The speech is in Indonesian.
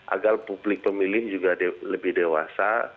agar publik pemilih juga lebih dewasa